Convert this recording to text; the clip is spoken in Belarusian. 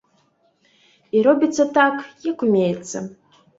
І робіцца так, як умеецца.